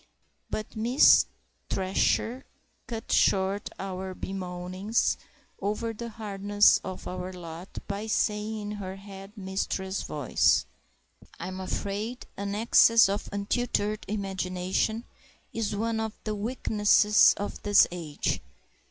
But Miss Thresher cut short our bemoanings over the hardness of our lot, by saying in her head mistress voice— "I'm afraid an excess of untutored imagination is one of the weaknesses of this age.